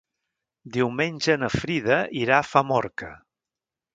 Diumenge na Frida irà a Famorca.